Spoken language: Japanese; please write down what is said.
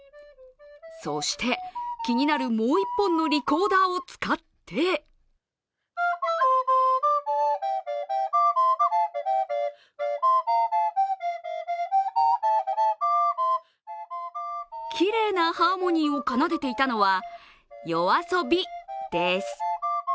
そして気になる、もう１本のリコーダーを使ってきれいなハーモニーを奏でていたのはＹＯＡＳＯ鼻です。